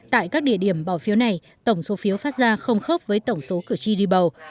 tại các địa điểm bỏ phiếu này tổng số phiếu phát ra không khớp với tổng số cử tri đi bầu